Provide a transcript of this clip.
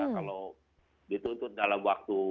kalau dituntut dalam waktu